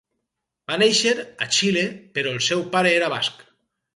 Va néixer a Xile però el seu pare era basc.